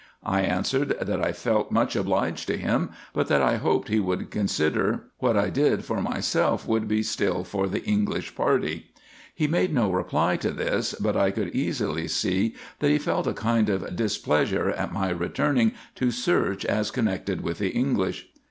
I answered, that I felt much obliged to him, but that I hoped he would consider what I did for myself would be still for the English party. Pie made no reply to this, but I could easily see, that he felt a kind of displeasure at my returning to search as connected with the English.